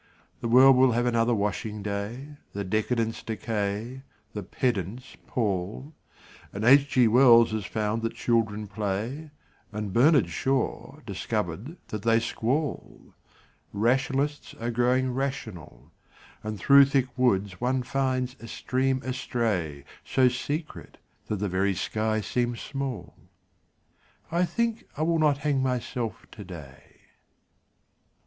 The world will have another washing day; The decadents decay; the pedants pall; And H.G. Wells has found that children play, And Bernard Shaw discovered that they squall; Rationalists are growing rational And through thick woods one finds a stream astray, So secret that the very sky seems small I think I will not hang myself today.